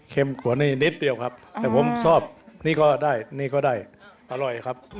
เค็มกว่านิดเดียวครับแต่วัวถ้ำนี้ก็ได้อร่อยครับ